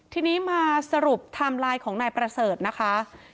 ทีนี้มาสรุปไทม์ไลน์ของนายประเสริฐนะคะ